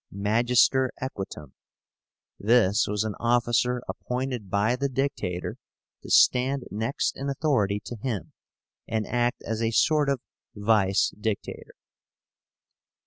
MAGISTER EQUITUM. This was an officer appointed by the Dictator, to stand next in authority to him, and act as a sort of Vice Dictator.